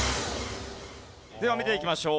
では見ていきましょう。